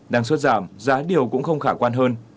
năng suất giảm giá điều cũng không khả quan hơn